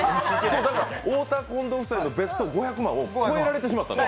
太田近藤夫妻の別荘を超えられてしまったんです。